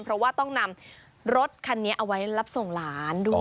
เพราะว่าต้องนำรถไหว้ส่องหลานด้วย